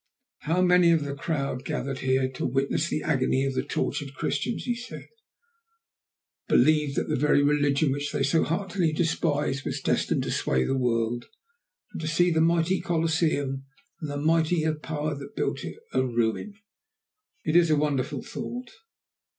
"How many of the crowd gathered here to witness the agony of the tortured Christians," he said, "believed that the very religion which they so heartily despised was destined to sway the world, and to see the mighty Colosseum and the mightier Power that built it, a ruin? It is a wonderful thought."